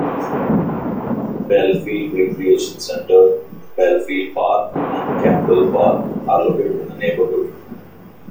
Belfield Recreation Center, Belfield Park, and Kemble Park are located in the neighborhood.